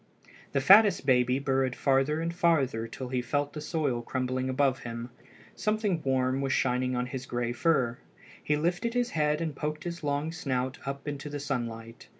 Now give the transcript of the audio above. The fattest baby burrowed farther and farther till he felt the soil crumbling above him. Something warm was shining on his gray fur. He lifted his head and poked his long snout up into the sunlight.